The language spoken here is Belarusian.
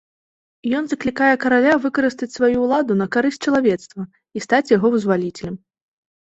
Ён заклікае караля выкарыстаць сваю ўладу на карысць чалавецтва і стаць яго вызваліцелем.